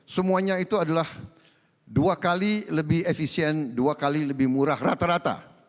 semuanya itu adalah dua kali lebih efisien dua kali lebih murah rata rata